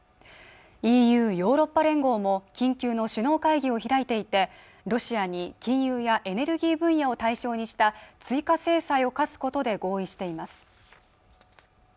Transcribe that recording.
ＥＵヨーロッパ連合も緊急の首脳会議を開いていてロシアに金融やエネルギー分野を対象にした追加制裁を科すことで合意しています